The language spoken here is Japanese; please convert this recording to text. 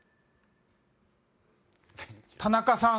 田中さん。